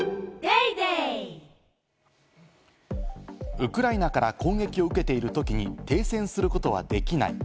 ウクライナから攻撃を受けているときに停戦することはできない。